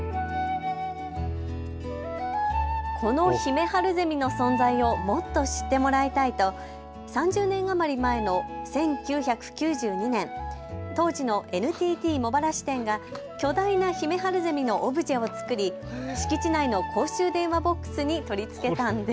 このヒメハルゼミの存在をもっと知ってもらいたいと３０年余り前の１９９２年、当時のＮＴＴ茂原支店が巨大なヒメハルゼミのオブジェを作り、敷地内の公衆電話ボックスに取り付けたんです。